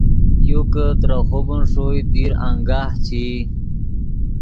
یو کہ ترے خوبن ݰوئے دیر انگاہ چے ای